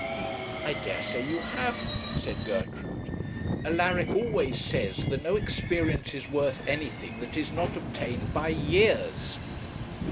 'I dare say you have,' said Gertrude; 'Alaric always says that no experience is worth anything that is not obtained by years.'